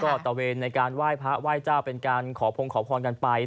ก็ตะเวนในการไหว้พระไหว้เจ้าเป็นการขอพงขอพรกันไป